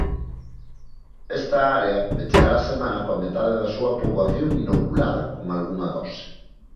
Esta área pechará a semana coa metade da súa poboación inoculada con algunha dose.